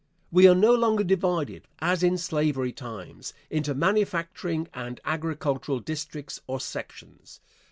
We are no longer divided, as in slavery times, into manufacturing and agricultural districts or sections.